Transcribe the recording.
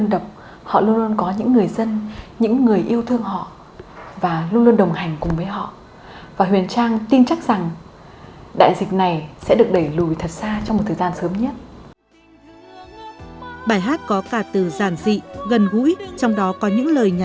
đãiller one phm và sony h born